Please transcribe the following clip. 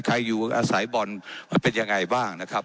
อยู่อาศัยบอลมันเป็นยังไงบ้างนะครับ